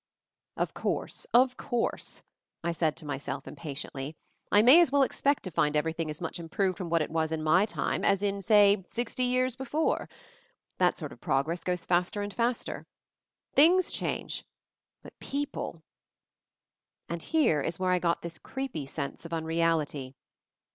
"Of course, of course!" I said to myself impatiently, "I may as well expect to find everything as much improved from what it was in my time as in, say, sixty years before. 34 MOVING THE MOUNTAIN That sort of progress goes faster and faster. Things change, but people —" And here is where I got this creepy sense of unreality.